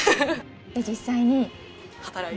実際に働いて。